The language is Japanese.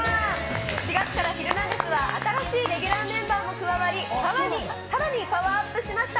４月からヒルナンデス！は、新しいレギュラーメンバーも加わり、さらに、さらにパワーアップしました。